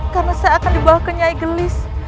karena saya akan dibawa ke nyai gelis